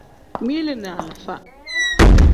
Mili ni alifa.